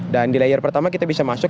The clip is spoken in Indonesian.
dan di layer pertama kita bisa masuk